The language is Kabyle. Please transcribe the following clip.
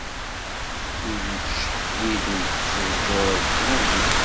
Wid yettcehhiden s ẓẓur kkren-d.